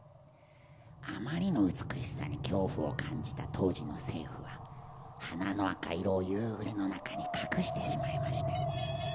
「あまりの美しさに恐怖を感じた当時の政府は花の赤色を夕暮れの中に隠してしまいました」